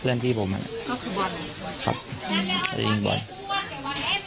เพื่อนพี่ผมอ่ะก็คือบอลครับอืมจะยิงบอลแต่ว่าบอลไม่ได้